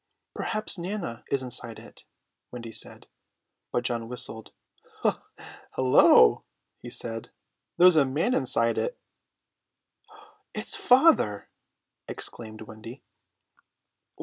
"Perhaps Nana is inside it," Wendy said. But John whistled. "Hullo," he said, "there's a man inside it." "It's father!" exclaimed Wendy.